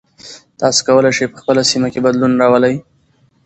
تاسو کولی شئ په خپله سیمه کې بدلون راولئ.